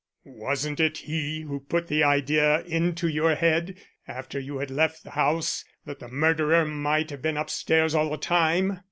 "Wasn't it he who put the idea into your head, after you had left the house, that the murderer might have been upstairs all the time?"